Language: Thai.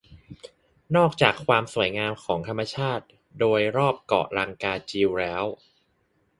นอกจากความสวยงามของธรรมชาติโดยรอบเกาะลังกาจิวแล้ว